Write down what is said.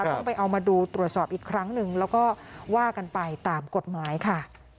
ต้องไปเอามาดูตรวจสอบอีกครั้งหนึ่งแล้วก็ว่ากันไปตามกฎหมายค่ะ